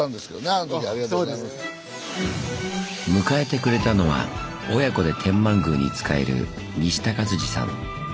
迎えてくれたのは親子で天満宮に仕える西高辻さん。